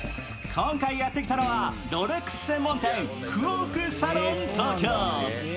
今回やってきたのはロレックス専門店、クォークサロン東京。